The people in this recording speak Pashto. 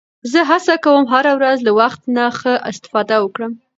زه هڅه کوم هره ورځ له وخت نه ښه استفاده وکړم